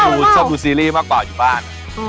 พี่ชอบดูซีรีส์มากกว่าอยู่บ้าน